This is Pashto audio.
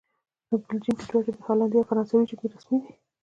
نو بلجیم کې دوه ژبې، هالندي او فرانسوي ژبې رسمي دي